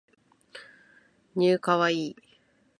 new kawaii